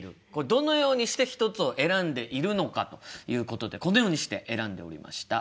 どのようにして一つを選んでいるのかということでこのようにして選んでおりました。